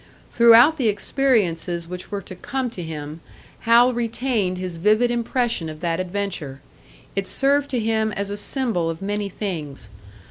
Throughout the experiences which were to come to him, Hal retained his vivid impression of that adventure; it served to him as a symbol of many things.